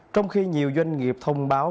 trong khi nhiều doanh nghiệp thông báo